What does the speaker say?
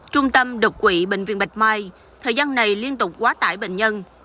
trung tâm đột quỵ bệnh viện bạch mai thời gian này liên tục quá tải bệnh nhân